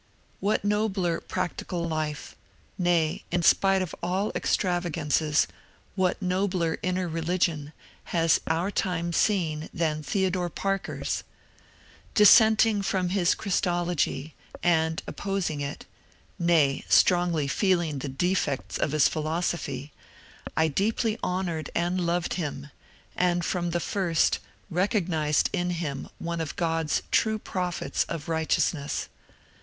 What nobler practical life — nay, in spite of all extravagances, what nobler inner religion — has our time seen than Theodore Parker's ? Dissenting from his Christology, and opposing it, nay, strongly feeling the defects of his philosophy, I deeply honoured and loved him, and from the first recognized in him one of God's true prophets of righteousness.